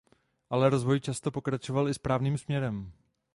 Ale rozvoj často pokračoval i správným směrem.